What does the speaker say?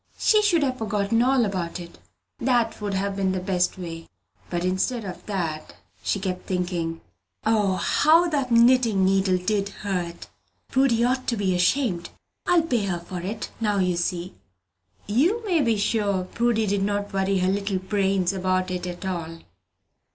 She should have forgotten all about it: that would have been the best way. But instead of that, she kept thinking, "O, how that knitting needle did hurt! Prudy ought to be ashamed! I'll pay her for it, now you see!" You may be sure Prudy did not worry her little brains about it at all.